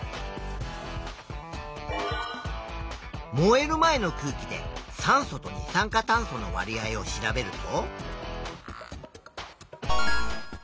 燃える前の空気で酸素と二酸化炭素のわり合を調べると。